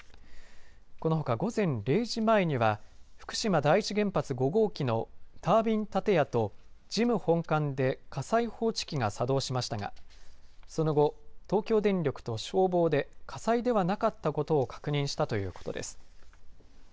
このほか、午前０時前には福島第一原発５号機のタービン建屋と事務本館で火災報知器が作動しましたがその後、東京電力と消防で火災ではなかったことを確認したということです。